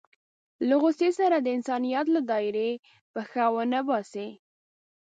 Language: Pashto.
له غوسې سره د انسانيت له دایرې پښه ونه باسي.